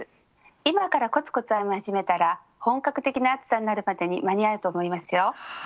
今からコツコツ編み始めたら本格的な暑さになるまでに間に合うと思いますよ。